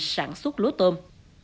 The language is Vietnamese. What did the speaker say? sản xuất lúa tôm